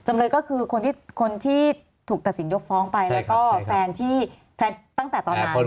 จำเลยก็คือคนที่ถูกตัดสินยกฟ้องไปแล้วก็แฟนที่แฟนตั้งแต่ตอนนั้น